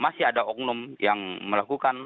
masih ada oknum yang melakukan